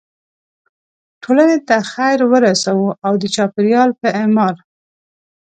ټولنې ته خیر ورسوو او د چاپیریال په اعمار.